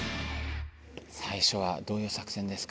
さいしょはどういう作戦ですか？